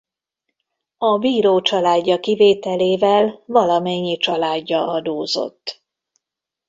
A bíró családja kivételével valamennyi családja adózott.